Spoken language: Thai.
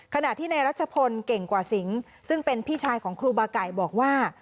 ขณะที่ในรัชพลเก่งกว่าสิงซึ่งเป็นพี่ชายของครูบาไก่บอกว่า